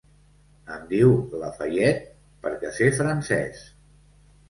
Em diu Lafayette, perquè sé francès.